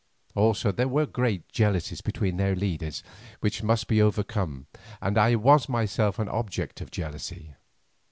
Also there were great jealousies between their leaders which must be overcome, and I was myself an object of jealousy.